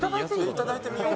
いただいてみよう。